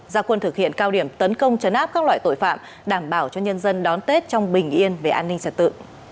gia quân thực hiện cao điểm tấn công chấn áp các loại tội phạm đảm bảo cho nhân dân đón tết trong bình yên về an ninh trật tự